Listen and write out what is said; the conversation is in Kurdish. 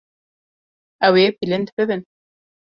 Ew ê bilind bibin.